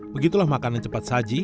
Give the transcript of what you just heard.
begitulah makanan cepat saji